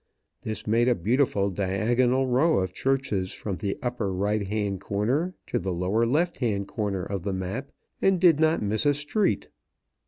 This made a beautiful diagonal row of churches from the upper right hand corner to the lower left hand corner of the map, and did not miss a street.